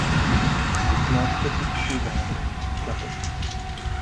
Toute manche, petite ou grande, clapote.